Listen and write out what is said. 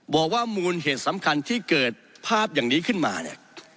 บอกว่ามูลเหตุสำคัญที่เกิดภาพอย่างนี้ขึ้นมาเนี่ย